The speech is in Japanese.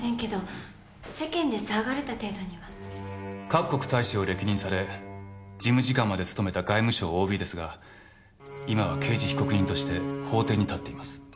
各国大使を歴任され事務次官まで務めた外務省ＯＢですが今は刑事被告人として法廷に立っています。